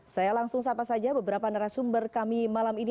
saya langsung sapa saja beberapa narasumber kami malam ini